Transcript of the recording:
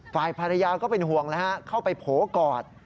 ฝ่ายภรรยาก็เป็นห่วงแล้วฮะเข้าไปโผล่กอด